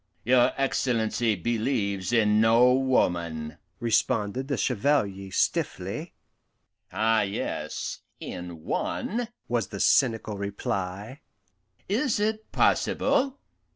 "Your Excellency believes in no woman," responded the Chevalier stiffly. "Ah yes, in one!" was the cynical reply. "Is it possible?